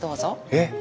えっ？